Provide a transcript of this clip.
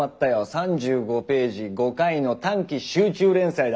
３５ページ５回の短期集中連載だ。